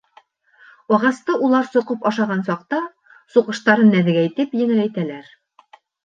Ағасты улар соҡоп ашаған саҡта, суҡыштарын нәҙегәйтеп еңеләйтәләр.